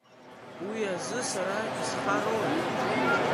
Уи азы сара исхарои?